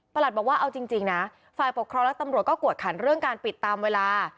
บอกว่าเอาจริงนะฝ่ายปกครองและตำรวจก็กวดขันเรื่องการปิดตามเวลา